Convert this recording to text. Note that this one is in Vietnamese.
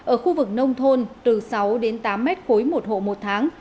ở khu vực nông thôn từ sáu đến tám mét khối một hộ một tháng